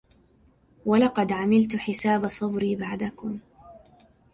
ولقد عملت حساب صبري بعدكم